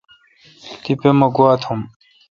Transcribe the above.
تی پہ مہ گواؙ تھم۔